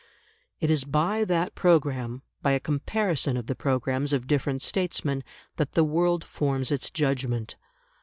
It is by that programme, by a comparison of the programmes of different statesmen, that the world forms its judgment.